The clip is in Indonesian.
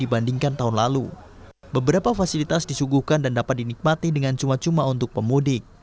dibandingkan tahun lalu beberapa fasilitas disuguhkan dan dapat dinikmati dengan cuma cuma untuk pemudik